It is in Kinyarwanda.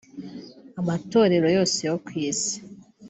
amatorero yose yo ku isi